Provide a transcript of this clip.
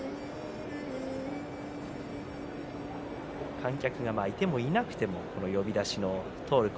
観客がいてもいなくても呼出しの通る声